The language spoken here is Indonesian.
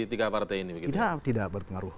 tiga partai ini begitu tidak berpengaruh